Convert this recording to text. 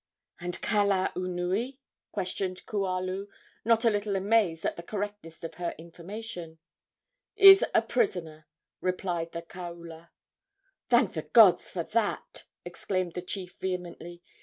"And Kalaunui?" questioned Kualu, not a little amazed at the correctness of her information. "Is a prisoner," replied the kaula. "Thank the gods for that!" exclaimed the chief vehemently.